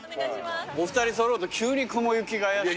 お二人揃うと急に雲行きが怪しく。